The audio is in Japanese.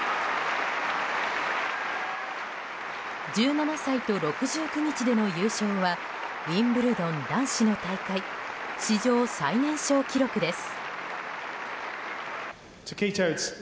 １７歳と６９日での優勝はウィンブルドン男子の大会史上最年少記録です。